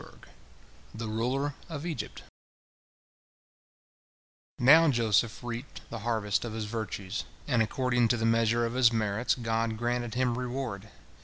" THE RULER OF EGYPT Now Joseph reaped the harvest of his virtues, and according to the measure of his merits God granted him reward.